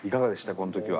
この時は。